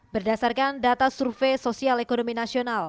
berdasarkan data survei sosial ekonomi nasional